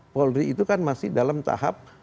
polri itu kan masih dalam tahap